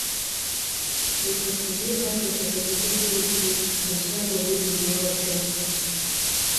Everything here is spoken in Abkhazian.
Ихаҭагьы ашәаҳәара даҟәыҵижьҭеи рацәак уаҩы дигәалашәомызт.